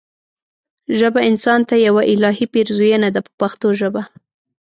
ژبه انسان ته یوه الهي پیرزوینه ده په پښتو ژبه.